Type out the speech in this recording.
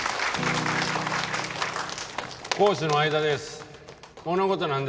講師の相田です。